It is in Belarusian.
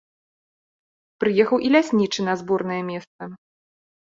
Прыехаў і ляснічы на зборнае месца.